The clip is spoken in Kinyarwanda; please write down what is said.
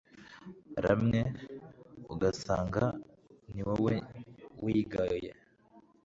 ramwe ugasanga niwowe wigaye